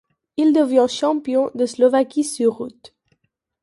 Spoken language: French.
Il devient champion de Slovaquie sur route.